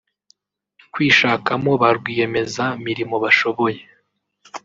kwishakamo ba rwiyemeza mirimo bashoboye